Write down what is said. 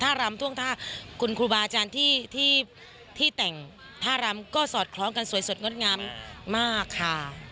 ถ้ารำท่วงท่าคุณครูบาอาจารย์ที่แต่งท่ารำก็สอดคล้องกันสวยสดงดงามมากค่ะ